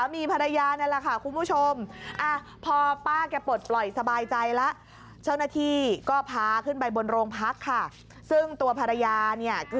มาแบบนี้จะส่งภาษากลับไปว่ายังใงดี